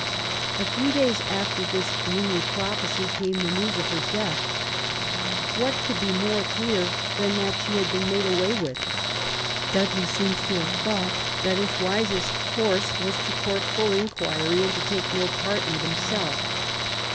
A few days after this gloomy prophecy came the news of her death. What could be more clear than that she had been made away with ? Dudley seems to have thought that his wisest course was to court full inquiry and to take no part in it himself.